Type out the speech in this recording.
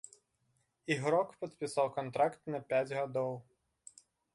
Ігрок падпісаў кантракт на пяць гадоў.